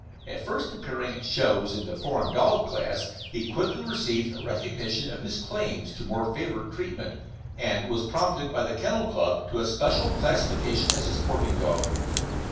At first appearing at shows in the "Foreign Dog" class, he quickly received a recognition of his claims to more favoured treatment, and was promoted by the Kennel Club to a special classification as a sporting dog.